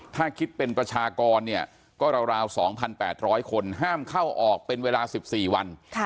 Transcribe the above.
ถ้าคิดเป็นประชากรเนี่ยก็ราว๒๘๐๐คนห้ามเข้าออกเป็นเวลา๑๔วัน